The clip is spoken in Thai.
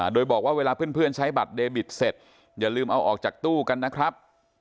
โดยบอกว่าเวลาเพื่อนใช้บัตรเดบิตเสร็จอย่าลืมเอาออกจากตู้กันนะครับ